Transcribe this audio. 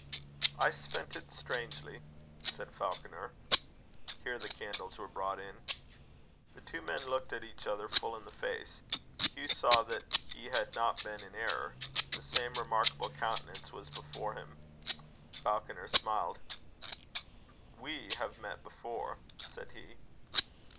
"I spent it strangely," said Falconer. Here the candles were brought in. The two men looked at each other full in the face. Hugh saw that he had not been in error. The same remarkable countenance was before him. Falconer smiled. "We have met before," said he.